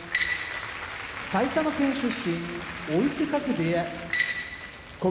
埼玉県出身追手風部屋小結・霧